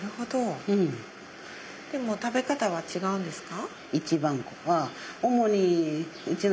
でも食べ方は違うんですか？